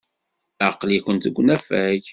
Aql-ikent deg unafag.